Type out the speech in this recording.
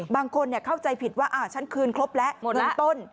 บางคนเข้าใจผิดว่าฉันคืนครบแล้วเงินต้น